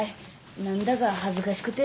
何だか恥ずかしくて。